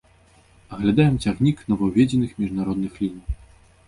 Аглядаем цягнік новаўведзеных міжнародных ліній.